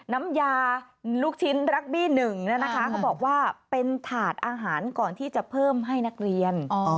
น้ำยาลูกชิ้นรักบี้หนึ่งเนี่ยนะคะเขาบอกว่าเป็นถาดอาหารก่อนที่จะเพิ่มให้นักเรียน